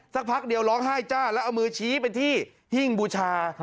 สักพักเดียวร้องไห้จ้าแล้วเอามือชี้ไปที่หิ้งบูชา